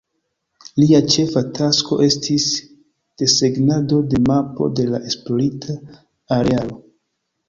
Lia ĉefa tasko estis desegnado de mapo de la esplorita arealo.